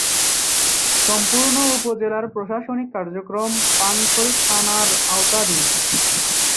সম্পূর্ণ উপজেলার প্রশাসনিক কার্যক্রম পানছড়ি থানার আওতাধীন।